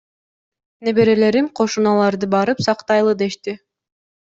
Неберелерим кошуналарды барып сактайлы дешти.